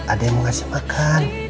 ada yang mau ngasih makan